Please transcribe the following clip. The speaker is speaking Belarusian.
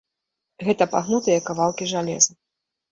Гэта пагнутыя кавалкі жалеза.